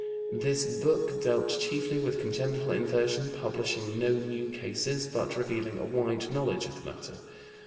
This book dealt chiefly with congenital inversion, publishing no new cases, but revealing a wide knowledge of the matter.